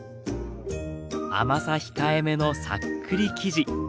甘さ控えめのさっくり生地。